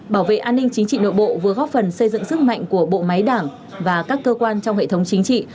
bảo vệ an ninh chính trị nội bộ vừa góp phần xây dựng sức mạnh của bộ máy đảng và các cơ quan trong hệ thống chính trị